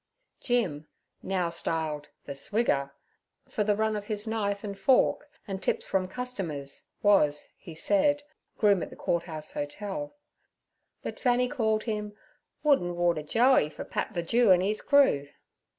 Jim (now styled the Swigger), for the run of his knife and fork and tips from customers, was, he said, groom at the Court House Hotel; but Fanny called him 'Wood an' water Joey for Pat the Jew an' 'ees crew.'